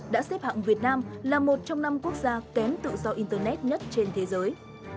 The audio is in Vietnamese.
đã xếp hạng việt nam là một trong năm quốc gia kém tự do internet nhất trên thế giới